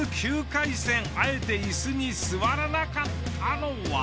９回戦あえてイスに座らなかったのは。